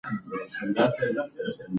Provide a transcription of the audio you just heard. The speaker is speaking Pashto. ډاټا او ارقام سره راټول کړي.